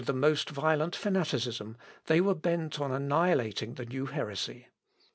Inflamed with the most violent fanaticism, they were bent on annihilating the new heresy.